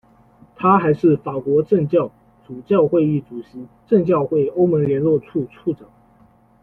他还是法国正教主教会议主席、正教会欧盟联络处处长。